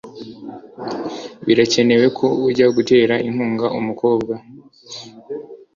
birakenewe ko ujya gutera inkunga umukobwa